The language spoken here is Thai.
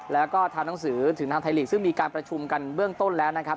แล้วก็ทำหนังสือถึงทางไทยลีกซึ่งมีการประชุมกันเบื้องต้นแล้วนะครับ